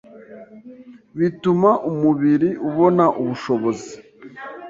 bituma umubiri ubona ubushobozi